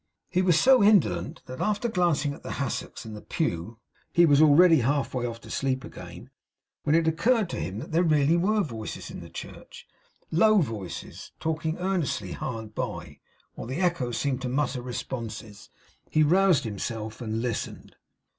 He was so indolent, that after glancing at the hassocks and the pew, he was already half way off to sleep again, when it occurred to him that there really were voices in the church; low voices, talking earnestly hard by; while the echoes seemed to mutter responses. He roused himself, and listened.